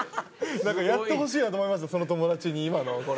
やってほしいなと思いましたその友達に今のこれ。